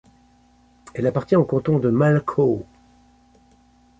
Elle appartient au canton de Malchow.